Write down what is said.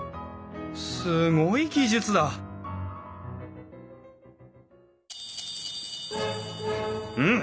すごい技術だうん！？